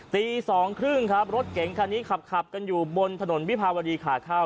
ตี๒๓๐ครับรถเก่งค่ะทีนี้ขับกันอยู่บนถนนวิภาวรีขาข้าว